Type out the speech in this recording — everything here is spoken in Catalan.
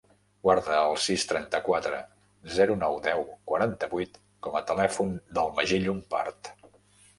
Guarda el sis, trenta-quatre, zero, nou, deu, quaranta-vuit com a telèfon del Magí Llompart.